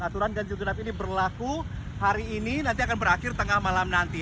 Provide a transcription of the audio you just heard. aturan ganjil genap ini berlaku hari ini nanti akan berakhir tengah malam nanti